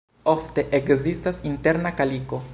Ofte ekzistas interna kaliko.